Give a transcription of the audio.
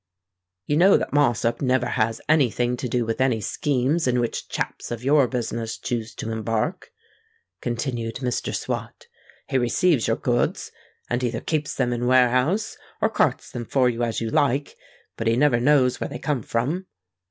"You know that Mossop never has any thing to do with any schemes in which chaps of your business choose to embark," continued Mr. Swot: "he receives your goods, and either keeps them in warehouse or carts them for you as you like; but he never knows where they come from."